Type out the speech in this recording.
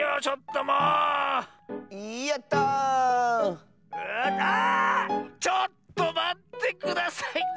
ちょっとまってください！